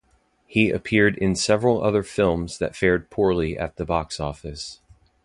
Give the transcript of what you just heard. He appeared in several other films that fared poorly at the box office.